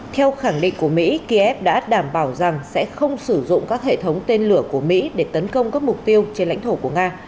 theo khẳng định của mỹ kiev đã đảm bảo rằng sẽ không sử dụng các hệ thống tên lửa của mỹ để tấn công các mục tiêu trên lãnh thổ của nga